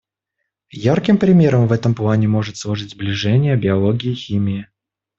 Ярким примером в этом плане может служить сближение биологии и химии.